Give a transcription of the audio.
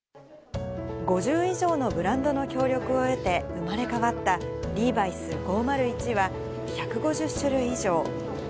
５０以上のブランドの協力を得て生まれ変わったリーバイス５０１は、１５０種類以上。